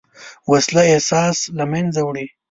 وسله احساس له منځه وړي